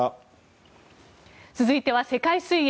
続いては、世界水泳。